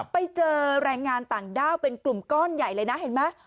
ไปเจอแรงงานต่างด้าวเป็นกลุ่มก้อนใหญ่เลยนะเห็นไหม